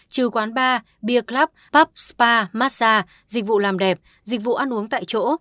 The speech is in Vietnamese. trừ quán bar bia club pub spa massage dịch vụ làm đẹp dịch vụ ăn uống tại chỗ